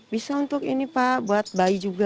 bisa untuk ini pak buat bayi juga